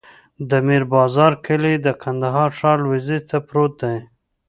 د میر بازار کلی د کندهار ښار لویدیځ ته پروت دی.